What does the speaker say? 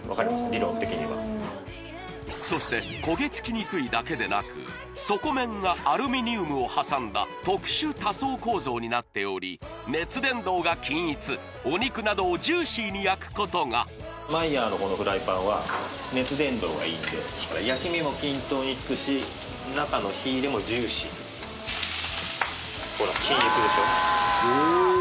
理論的にはそして焦げ付きにくいだけでなく底面がアルミニウムを挟んだ特殊多層構造になっており熱伝導が均一お肉などをジューシーに焼くことが焼き目も均等につくし中の火入れもジューシーほら均一でしょ？